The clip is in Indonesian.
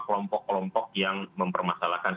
kelompok kelompok yang mempermasalahkan